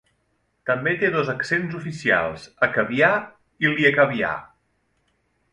També té dos accents oficials: ekavià i liekavià.